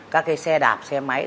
các xe đạp xe máy